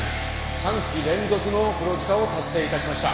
３期連続の黒字化を達成いたしました。